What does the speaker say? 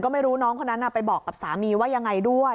ไม่รู้น้องคนนั้นไปบอกกับสามีว่ายังไงด้วย